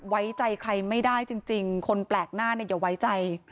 ไว้ใจใครไม่ได้จริงคนแปลกหน้าเนี่ยอย่าไว้ใจ